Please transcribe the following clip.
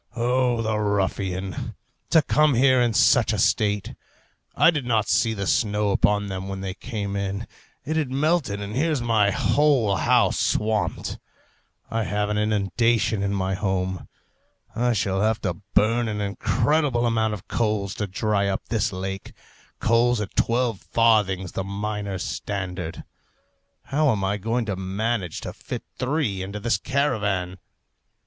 O the ruffian! to come here in such a state! I did not see the snow upon them when they came in; it had melted, and here's my whole house swamped. I have an inundation in my home. I shall have to burn an incredible amount of coals to dry up this lake coals at twelve farthings the miners' standard! How am I going to manage to fit three into this caravan?